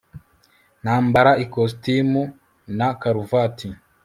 nambara ikositimu na karuvati